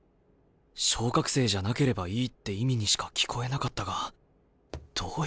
昇格生じゃなければいいって意味にしか聞こえなかったがどういうことだ？